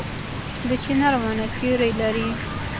د چنار ونه سیوری لري